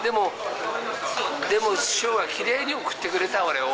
でも師匠はきれいに送ってくれた、俺を。